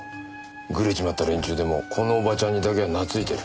グレちまった連中でもこのおばちゃんにだけはなついてる。